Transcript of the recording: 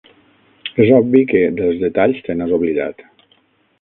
És obvi que, dels detalls, te n'has oblidat.